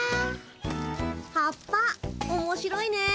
葉っぱおもしろいねえ。